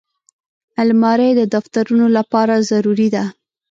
الماري د دفترونو لپاره ضروري ده